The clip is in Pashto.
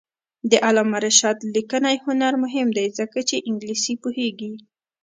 د علامه رشاد لیکنی هنر مهم دی ځکه چې انګلیسي پوهېږي.